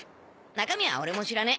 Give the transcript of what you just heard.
中身は俺も知らねえ。